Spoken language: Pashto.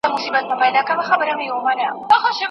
خدایه کله به ریشتیا سي زما زخمي پردېس خوبونه